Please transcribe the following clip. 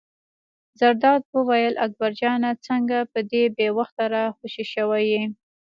زرداد وویل: اکبر جانه څنګه په دې بې وخته را خوشې شوی یې.